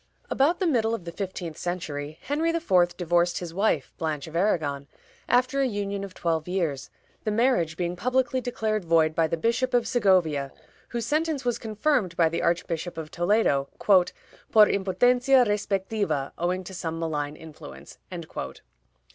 About the middle of the fifteenth century, Henry IV. divorced his wife, Blanche of Aragon, after a union of twelve years, the marriage being publicly declared void by the Bishop of Segovia, whose sentence was confirmed by the Archbishop of Toledo, "por impotencia respectiva, owing to some malign influence."